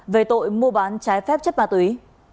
về tội mua bán trái phép chất ma túy